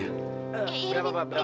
ya ya bila bapak